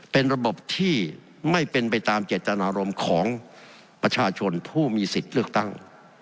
เป็นระบบที่ไม่เป็นไปตามเจตนารมณ์ของประชาชนผู้มีสิทธิ์เลือกตั้ง